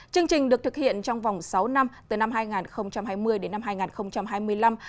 chương trình được thực hiện trong vòng sáu năm từ năm hai nghìn hai mươi đến năm hai nghìn hai mươi năm